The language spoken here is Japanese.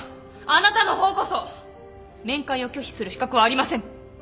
あなたの方こそ面会を拒否する資格はありません。